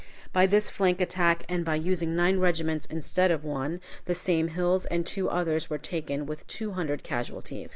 By this flank attack, and by using nine regiments instead of one, the same hills and two others were taken with two hundred casualties.